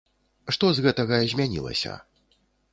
Што з гэтага змянілася?